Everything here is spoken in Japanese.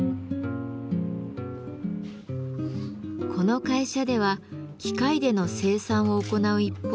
この会社では機械での生産を行う一方